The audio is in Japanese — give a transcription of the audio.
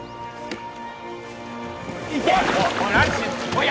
おい！